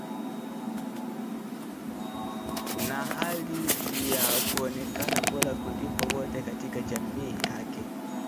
na hali ya kuonekana bora kuliko wote katika jamii yake